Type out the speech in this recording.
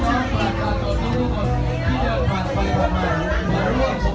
ขอเรียนเจอพี่น้องขอเรียนเจอพ่อครับทุกคน